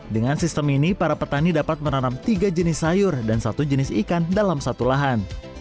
dengan sistem ini para petani dapat menanam tiga jenis sayur dan satu jenis ikan dalam satu lahan